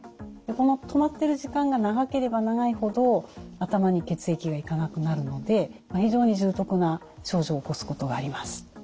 この止まっている時間が長ければ長いほど頭に血液が行かなくなるので非常に重篤な症状を起こすことがあります。